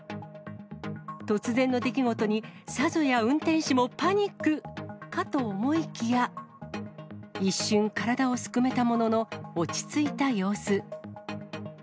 突然の出来事に、さぞや運転手もパニックかと思いきや、一瞬、体をすくめたものの、落ち着いた様子。